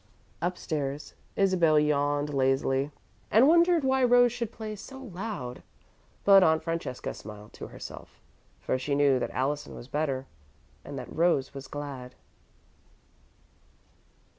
Upstairs, Isabel yawned lazily, and wondered why Rose should play so loud, but Aunt Francesca smiled to herself, for she knew that Allison was better and that Rose was glad.